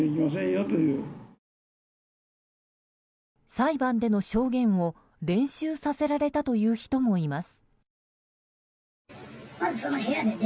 裁判での証言を練習させられたという人もいます。